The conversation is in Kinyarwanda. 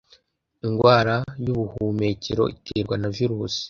indwara y'ubuhumekero iterwa na virusi